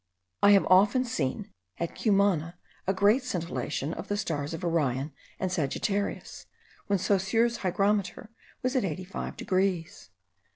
I have often seen at Cumana a great scintillation of the stars of Orion and Sagittarius, when Saussure's hygrometer was at 85 degrees.